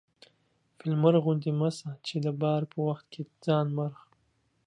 فيل مرغ غوندي مه سه چې د بار په وخت کې ځان مرغ